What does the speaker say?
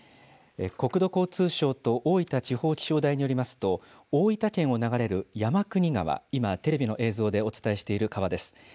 国土交通省と大分地方気象台によりますと、大分県を流れる山国川、今テレビの映像でお伝えしている川です。